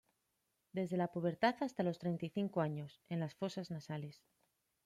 Desde la pubertad hasta los treinta y cinco años, en las fosas nasales.